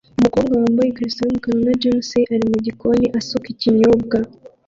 Umukobwa wambaye ikariso yumukara na jans ari mugikoni asuka ikinyobwa